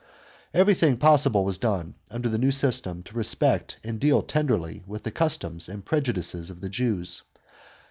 Everything possible was done, under the new system, to respect and deal tenderly with the customs and prejudices of the Jews.